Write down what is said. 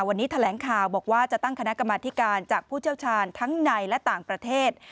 วันนี้แถลงข่าวบอกว่าจะตั้งคณะกรรมธิการจากผู้เชี่ยวชาญทั้งในและต่างประเทศ